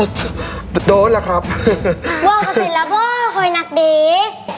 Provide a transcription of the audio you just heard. โทร่นะครับว่าสิแล้วไหวนักที่